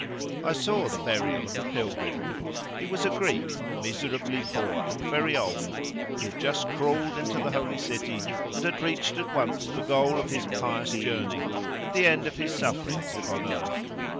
I saw the burial of a pilgrim. He was a Greek, miserably poor, and very old; he had just crawled into the Holy City, and had reached at once the goal of his pious journey and the end of his sufferings upon earth.